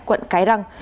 quận cái răng